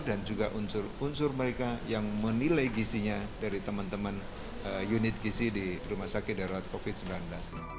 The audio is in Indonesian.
dan juga unsur unsur mereka yang menilai gizinya dari teman teman unit gizi di rumah sakit darurat covid sembilan belas